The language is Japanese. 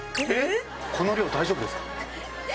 この量大丈夫ですか？